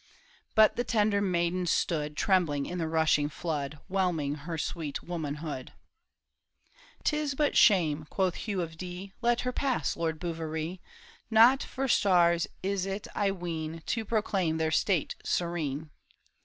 But the tender maiden stood Trembling in the rushing flood Whelming her sweet womanhood. " 'Tis but shame," quoth Hugh of Dee, " Let her pass. Lord Bouverie ; Not for stars is it I ween To proclaim their state serene."